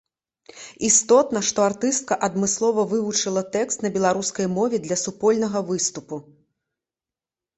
Істотна, што артыстка адмыслова вывучыла тэкст на беларускай мове для супольнага выступу.